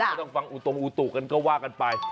ไม่ต้องฟังอุตุกันก็ว่ากันไป